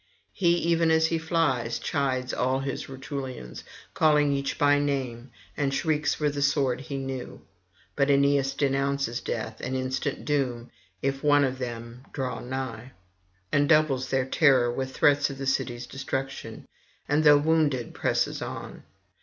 He, even as he flies, chides all his Rutulians, calling each by name, and shrieks for the sword he knew. But Aeneas denounces death and instant doom if one of them draw nigh, and doubles their terror with threats of their city's destruction, and though wounded presses on.